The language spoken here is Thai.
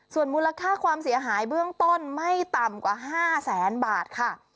ส่วนมูลค่าความเสียหายเบื้องต้นไม่ต่ำกว่า๕แสนบาทค่ะ